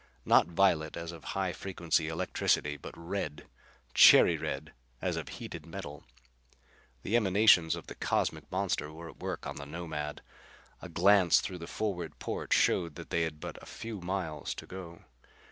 Not violet as of high frequency electricity, but red. Cherry red as of heated metal. The emanations of the cosmic monster were at work on the Nomad. A glance through the forward port showed they had but a few miles to go.